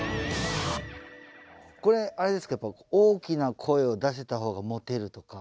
これあれですかやっぱり大きな声を出せた方がモテるとか？